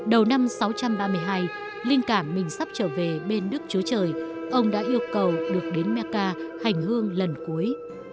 đầu năm sáu trăm ba mươi hai linh cảm mình sắp trở về bên đức chúa trời ông đã yêu cầu được đến meca hành hương lần cuối